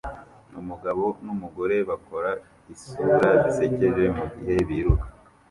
Umugabo numugore bakora isura zisekeje mugihe biruka